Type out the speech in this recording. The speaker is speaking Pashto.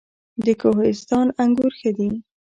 د کوهستان انګور ښه دي